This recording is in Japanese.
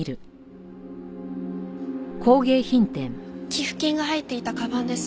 寄付金が入っていたかばんです。